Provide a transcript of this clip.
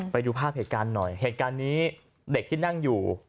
ไปดูภาพเหตุการณ์หน่อยเหตุการณ์นี้เด็กที่นั่งอยู่